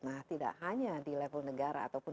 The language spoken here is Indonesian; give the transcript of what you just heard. nah tidak hanya di level negara ataupun